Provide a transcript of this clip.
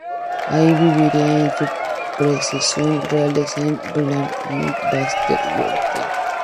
Ahí viviría en sus posesiones reales en Värmland y Västergötland.